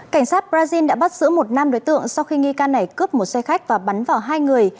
cảnh sát brazil đã bắt giữ một nam đối tượng sau khi nghi can này cướp một xe khách và bắn vào hai người